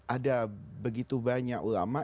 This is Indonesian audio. ada begitu banyak ulama